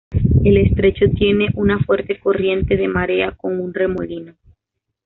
El estrecho tiene una fuerte corriente de marea, con un remolino.